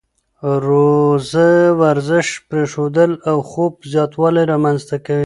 روزه ورزش پرېښودل او خوب زیاتوالی رامنځته کوي.